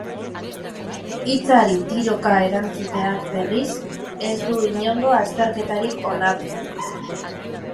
Hitzari tiroka erantzuteak, berriz, ez du inongo azterketarik onartzen.